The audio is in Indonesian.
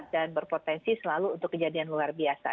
dan berpotensi selalu untuk kejadian luar biasa